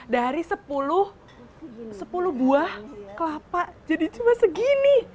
dari sepuluh buah kelapa jadi cuma segini